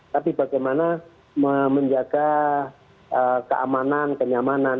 tapi bagaimana menjaga keamanan kenyamanan